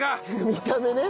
見た目ね。